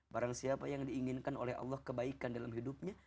barang siapa yang diinginkan oleh allah kebaikan dalam hidupnya